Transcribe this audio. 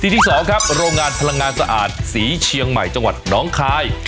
ที่๒ครับโรงงานพลังงานสะอาดศรีเชียงใหม่จังหวัดน้องคาย